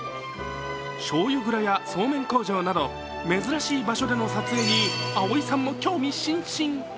しょうゆ蔵やそうめん工場など珍しい場所での撮影に蒼井さんも興味津々。